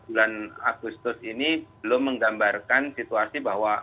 bulan agustus ini belum menggambarkan situasi bahwa